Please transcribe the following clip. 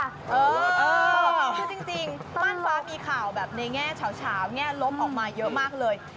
เอาจริงม่านฟ้ามีข่าวแบบในแง่เฉาแง่ลบออกมาเยอะมากเลย